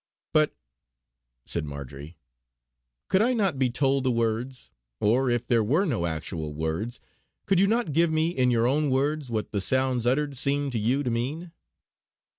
"But," said Marjory, "could I not be told the words, or if there were no actual words, could you not give me in your own words what the sounds uttered seemed to you to mean?"